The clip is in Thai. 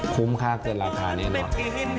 คุ้มค่าเกินราคาแน่นอน